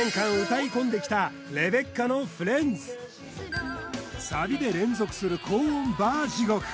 歌い込んできたレベッカの「フレンズ」サビで連続する高音バー地獄